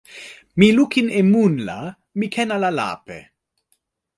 mi lukin e mun la mi ken ala lape.